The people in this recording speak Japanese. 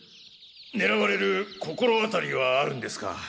狙われる心当たりはあるんですか？